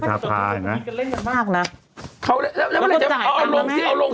จะกินคุยค่ะเห็นไหมล่ะ